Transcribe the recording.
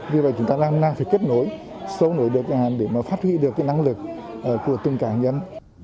vì vậy chúng ta đang phải kết nối sâu nổi được nhà hàng để phát huy được năng lực của từng cả nhân